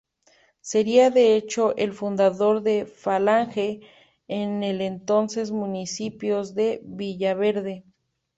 Sería de hecho el fundador de Falange en el entonces municipio de Villaverde.